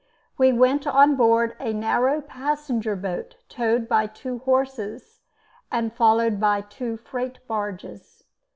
We went on board a narrow passenger boat towed by two horses, and followed by two freight barges.